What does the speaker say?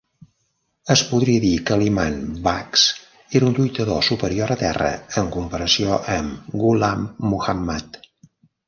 Es podria dir que l'imam Baksh era un lluitador superior a terra en comparació amb Ghulam Muhammad.